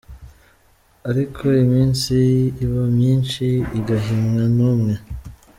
Ariko iminsi iba myinshi I gahimwa n umwe….